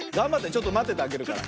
ちょっとまっててあげるから。